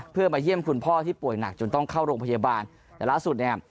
เพื่อมาเยี่ยมคุณพ่อที่ป่วยหนักจนต้องเข้าโรงพยาบาลแต่ล่าสุดเนี่ย